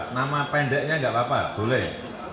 nama pendeknya nggak apa apa boleh